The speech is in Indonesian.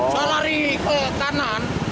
saya lari ke kanan